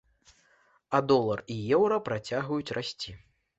А долар і еўра працягваюць расці.